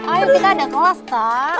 ayo kita ada kelas kan